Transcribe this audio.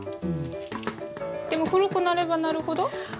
でも古くなればなるほど。